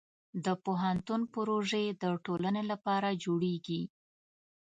د پوهنتون پروژې د ټولنې لپاره جوړېږي.